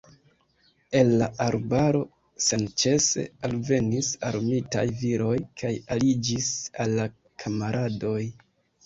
El la arbaro senĉese alvenis armitaj viroj kaj aliĝis al la kamaradoj.